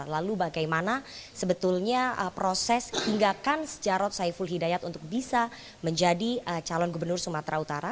lalu bagaimana sebetulnya proses hinggakan jarod saiful hidayat untuk bisa menjadi calon gubernur sumatera utara